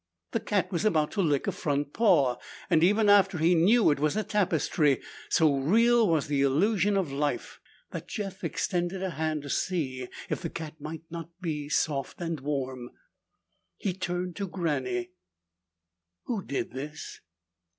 The cat was about to lick a front paw, and even after he knew it was a tapestry, so real was the illusion of life that Jeff extended a hand to see if the cat might not be soft and warm. He turned to Granny. "Who did this?"